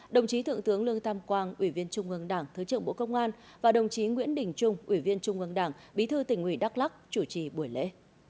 đồng chí thượng tướng lương tam quang ủy viên trung ương đảng thứ trưởng bộ công an và đồng chí nguyễn đình trung ủy viên trung ương đảng bí thư tỉnh ủy đắk lắc chủ trì buổi lễ